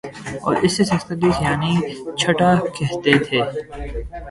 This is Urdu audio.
اور اسے سیکستیلیس یعنی چھٹا کہتے تھے